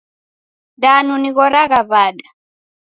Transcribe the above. Danu nighoragha wada?